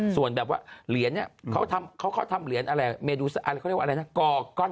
ส่วนแบบว่าเหรียญเนี่ยเขาทำเหรียญอะไรก่อก้อน